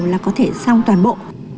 là có thể xong toàn bộ